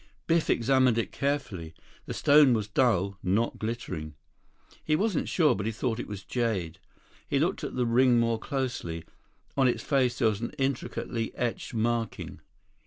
Biff examined it carefully. The stone was dull, not glittering. He wasn't sure, but he thought it was jade. He looked at the ring more closely. On its face there was an intricately etched marking.